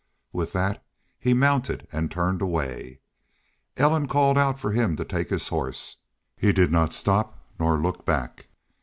With that he mounted and turned away. Ellen called out for him to take his horse. He did not stop nor look back.